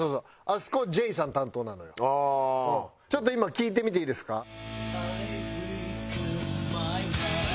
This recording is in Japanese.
ちょっと今聴いてみていいですか？